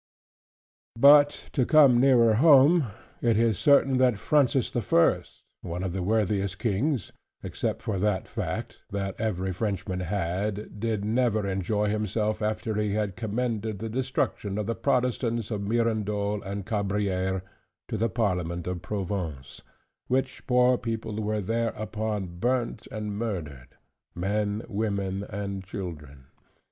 But to come nearer home; it is certain that Francis the First, one of the worthiest kings (except for that fact) that ever Frenchmen had, did never enjoy himself, after he had commended the destruction of the Protestants of Mirandol and Cabrieres, to the Parliament of Provence, which poor people were thereupon burnt and murdered; men, women, and children.